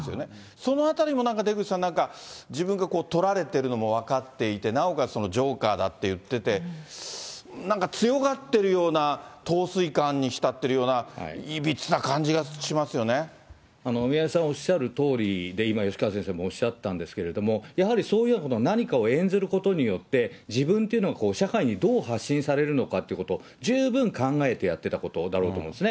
そのあたりもなんか出口さん、自分がこう撮られてるのも分かっていて、なおかつジョーカーだっていってて、なんか強がってるような陶酔感に浸っているような、い宮根さんおっしゃるとおりで、今、吉川先生もおっしゃったんですけれども、やはりそういうことによって、何かを演じることが自分っていうのを社会にどう発信されるのかっていうこと、十分考えてやってたことだろうと思うんですね。